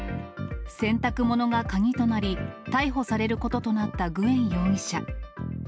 洗濯物が鍵となり、逮捕されることとなったグエン容疑者。